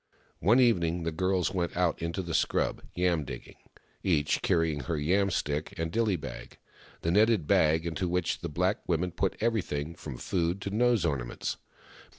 One evening the girls went out into the scrub, yam digging, each carrying her yam stick and dilly bag — the netted bag into which the black women put everything, from food to nose orna ments.